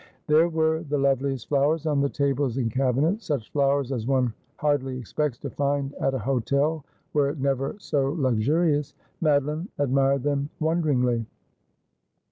There were the loveliest flowers on the tables and cabinets, such flowers as one hardly expects to find at an hotel, were it never so luxurious. Madeline admired them wonderingly.